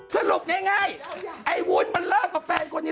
สรุปยังไงไอ้วุ้นมันเริ่มกับแฟนคนนี้